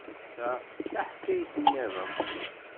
Ta d taḥkayt niḍen.